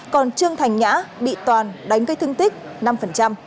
còn trương thành nhã bị toàn đánh gây thương tích năm